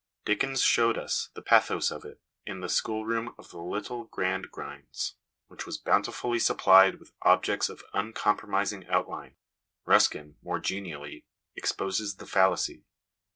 Dickens showed us the pathos of it in the schoolroom of the little Gradgrinds, which was bountifully supplied with objects of uncompromising outline. Ruskin, more genially, exposes the fallacy.